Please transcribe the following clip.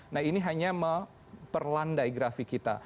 nah ini hanya memperlandai grafik kita